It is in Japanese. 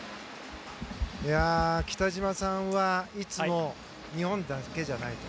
北島さんはいつも、日本だけじゃないと。